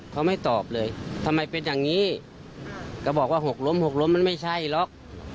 เขาไม่ตอบเลยทำไมเป็นอย่างนี้ก็บอกว่าหกล้มหกล้มมันไม่ใช่หรอก